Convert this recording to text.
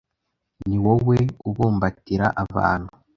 ni wowe ubumbatira abantu